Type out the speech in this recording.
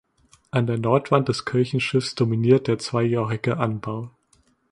An der Nordwand des Kirchenschiffs dominiert der zweijochige Anbau.